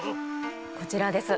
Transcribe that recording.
こちらです。